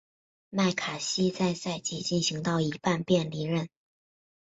麦卡锡在赛季进行到一半便离任。